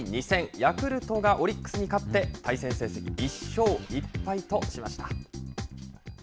ヤクルトがオリックスに勝って対戦成績１勝１敗としました。